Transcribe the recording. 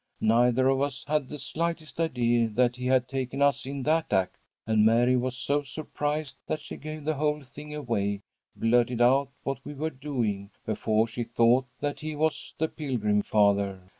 Neither of us had the slightest idea that he had taken us in that act, and Mary was so surprised that she gave the whole thing away blurted out what we were doing, before she thought that he was the Pilgrim Father.